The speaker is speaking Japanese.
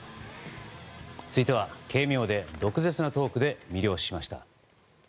続いては、軽妙で毒舌なトークで魅了しました。